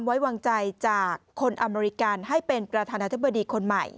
ที่การอาเซียน